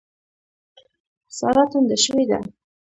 سارا ټنډه شوې ده.